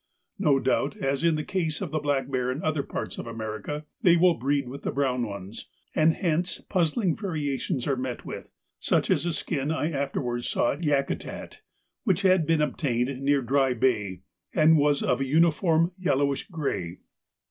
No doubt, as in the case of the black bear in other parts of America, they will breed with the brown ones, and hence puzzling variations are met with, such as a skin I afterwards saw at Yakutat, which had been obtained near Dry Bay, and was of a uniform yellowish grey.